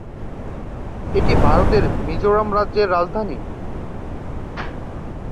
এটি ভারতের মিজোরাম রাজ্যের রাজধানী।